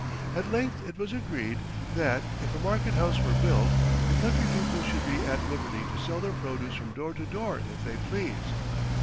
At length it was agreed that, if a market house were built, the country people should be at liberty to sell their produce from door to door if they pleased.